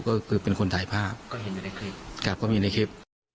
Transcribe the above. ก็คือเป็นคนถ่ายภาพก็มีในคลิป